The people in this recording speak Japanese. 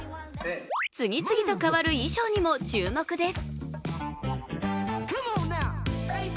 次々と変わる衣装にも注目です。